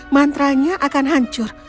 mantranya akan hancur